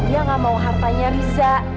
dia gak mau hartanya bisa